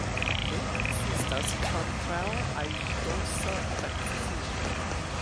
Ne ekzistas kontraŭ-aidosa vakcino.